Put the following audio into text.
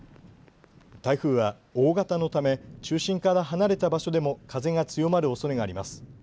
台風は大型のため中心から離れた場所でも風が強まるおそれがあります。